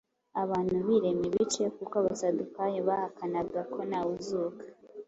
abantu birema ibice; kuko Abasadukayo bahakanaga ko ntawe uzuka,